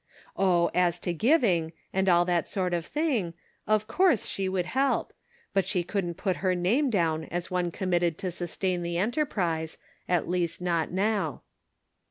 Oh, as to giving, and all that sort of thing, of course she would help ; but she couldn't put her name down as one committed to sustain the enterprise ; at least not now.